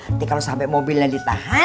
nanti kalo sampe mobilnya ditahan